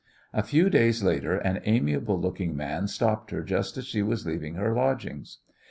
A few days later an amiable looking man stopped her just as she was leaving her lodgings.